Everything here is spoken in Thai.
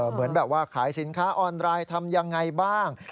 เหมือนแบบว่าขายสินค้าออนไลน์ทำยังไงบ้าง